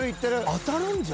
当たるんじゃ？